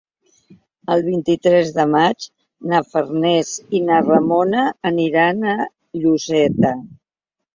El vint-i-tres de maig na Farners i na Ramona aniran a Lloseta.